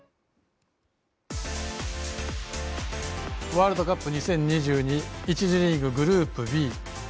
ワールドカップ２０２２１次リーグ、グループＢ。